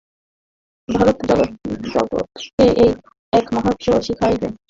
ভারত জগৎকে এই এক মহাসত্য শিখাইবে, কারণ ইহা আর কোথাও নাই।